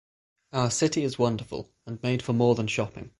Our city is wonderful and made for more than shopping.